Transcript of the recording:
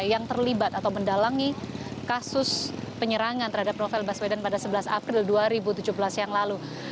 yang terlibat atau mendalangi kasus penyerangan terhadap novel baswedan pada sebelas april dua ribu tujuh belas yang lalu